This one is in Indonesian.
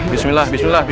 bismillah bismillah semua